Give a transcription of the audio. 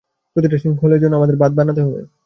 প্রতিটা সিঙ্কহোলের জন্য আমাদের বাঁধ বানাতে হবে।